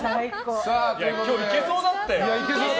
今日、いけそうだったよ。